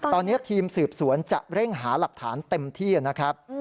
ตอนนี้ทีมสืบสวนจะเร่งหาหลักฐานเต็มที่นะครับ